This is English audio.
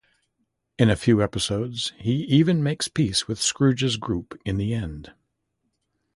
In a few episodes, he even makes peace with Scrooge's group in the end.